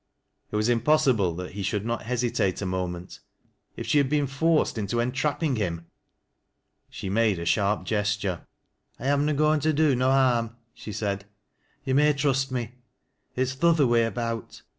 It was impossible that he should not hesitate a moTnani [f she had been forced into entrapping him I She made a sharp gesture. ON THE KNOLL HOAD. 83 "1 am na goin' to d5 no harm," she said. "Tc maj mist me. It's th' other way about."